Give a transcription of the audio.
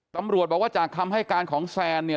ตำรวจบอกว่าจากคำให้การของแซนเนี่ย